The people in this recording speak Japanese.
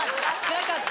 なかった。